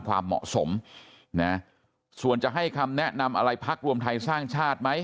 ความเหมาะสมนะส่วนจะให้คำแนะนำอะไรพักรวมไทยสร้างชาติไหม